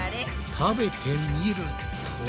食べてみると。